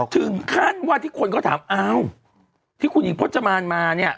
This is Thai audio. ถึงคาดว่าที่คนเขาถามที่คุณหญิงโภชมารมานี้